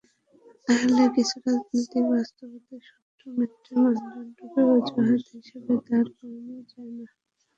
আসলে কিছু রাজনৈতিক বাস্তবতায় শত্রু-মিত্রের মানদণ্ডকে অজুহাত হিসেবে দাঁড় করানো যায় না।